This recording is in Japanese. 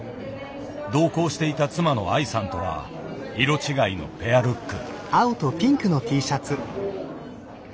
同行していた妻の愛さんとは色違いのペアルック。